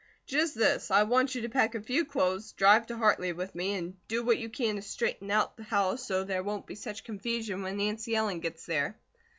"Just this! I want you to pack a few clothes, drive to Hartley with me and do what you can to straighten out the house, so there won't be such confusion when Nancy Ellen gets there."